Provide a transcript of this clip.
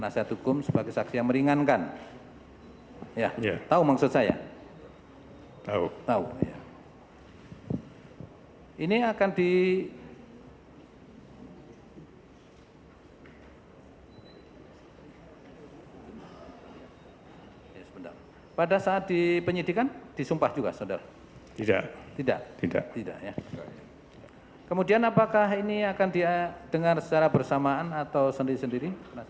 saya mau tanya apakah isinya di benar